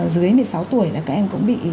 dưới một mươi sáu tuổi là các em cũng bị